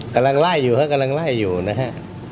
กำลังไล่อยู่ฮะกำลังไล่อยู่นะฮะ